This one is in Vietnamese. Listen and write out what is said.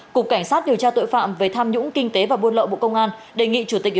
cục cảnh sát điều tra tội phạm về tham nhũng kinh tế và buôn lậu bộ công an đề nghị chủ tịch